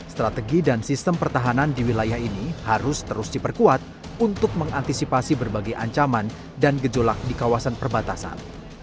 strategi dan sistem pertahanan di wilayah ini harus terus diperkuat untuk mengantisipasi berbagai ancaman dan gejolak di kawasan perbatasan